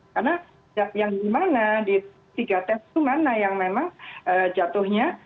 karena yang dimana di tiga tes itu mana yang memang jatuhnya